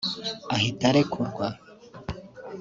ahita arekurwa